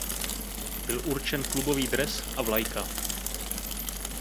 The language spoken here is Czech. Byl určen klubový dres a vlajka.